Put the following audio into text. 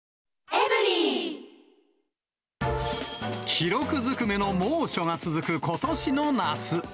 記録ずくめの猛暑が続くことしの夏。